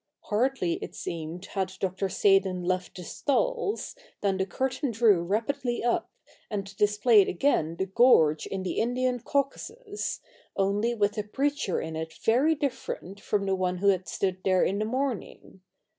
Hardly, it seemed, had Dr. Seydon left the stalls, than the curtain drew rapidly up, and displayed again the gorge in the Indian Caucasus, only with a preacher in it very different from the one who had stood there in the mornin:^.